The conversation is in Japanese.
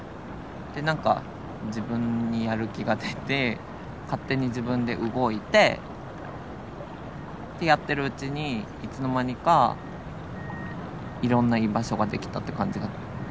なんか自分にやる気が出て勝手に自分で動いてやってるうちにいつの間にかいろんな居場所ができたって感じが強いかな。